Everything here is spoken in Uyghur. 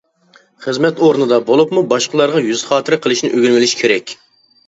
خىزمەت ئورنىدا بولۇپمۇ باشقىلارغا يۈز خاتىرە قىلىشنى ئۆگىنىۋېلىش كېرەك.